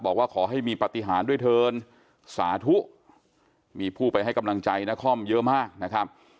บอกว่าขอให้มีปฏิหารด้วยเถินสาธุมีผู้ไปให้กำลังใจนครเยอะมากนะครับ